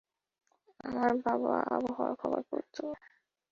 আমার বাবা আবহাওয়ার খবর পড়ত।